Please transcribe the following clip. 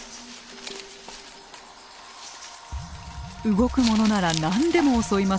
動くものなら何でも襲います。